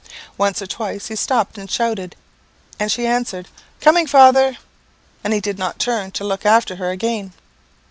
Once or twice he stopped and shouted, and she answered, 'Coming, father!' and he did not turn to look after her again.